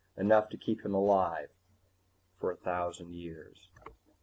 Enough to keep him alive for a thousand years.